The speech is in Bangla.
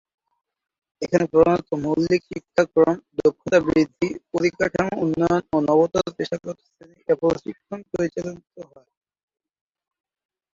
এখানে প্রধানত মৌলিক শিক্ষাক্রম, দক্ষতা বৃদ্ধি, পরিকাঠামো উন্নয়ন ও নবতর পেশাগত প্রশিক্ষণ পরিচালিত হয়।